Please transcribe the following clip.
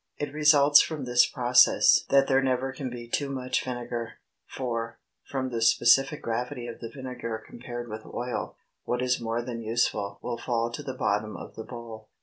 It results from this process that there never can be too much vinegar; for, from the specific gravity of the vinegar compared with oil, what is more than useful will fall to the bottom of the bowl.